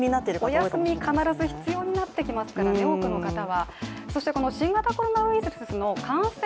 お休み、必ず必要になってきますからね、多くの方は。